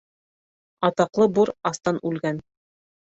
Атаҡлы бур астан үлгән.